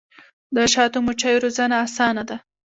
د شاتو مچیو روزنه اسانه ده؟